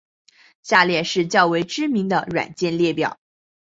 下列是较为知名的软件列表。